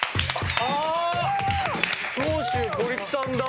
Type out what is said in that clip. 長州小力さんだ。